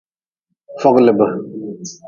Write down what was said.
Foglb.